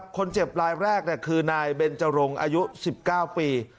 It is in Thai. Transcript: คนเจ็บรายแรกคือนายเบนจรงอายุ๑๙ปี